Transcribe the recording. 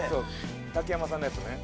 竹山さんのやつね。